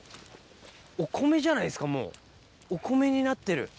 お米じゃないですかもうお米になってる。